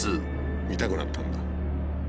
痛くなったんだ。